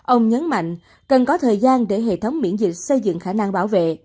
ông nhấn mạnh cần có thời gian để hệ thống miễn dịch xây dựng khả năng bảo vệ